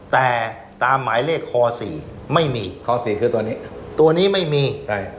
แต่ตามหมายเลขคอสี่ไม่มีคอสี่คือตัวนี้ตัวนี้ไม่มีใช่